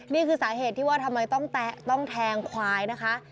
นี่คือสาเหตุที่ว่าทำไมต้องแทงควายนะคะ